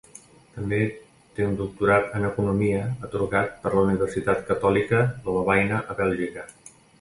També té un doctorat en economia atorgat per la Universitat Catòlica de Lovaina a Bèlgica.